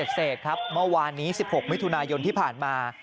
เสร็จครับเมื่อวานนี้๑๖มิถุนายนที่ผ่านมา